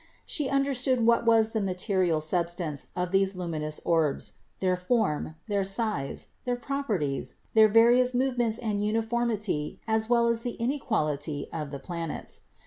She under stood what was the material substance of these luminous orbs, their form, their size, their properties, their various movements and the uniformity as well as the inequality of the planets.